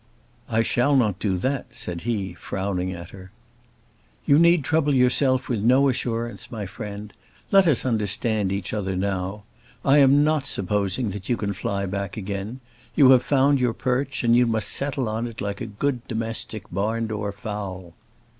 "I shall not do that," said he, frowning at her. "You need trouble yourself with no assurance, my friend. Let us understand each other now. I am not now supposing that you can fly back again. You have found your perch, and you must settle on it like a good domestic barn door fowl."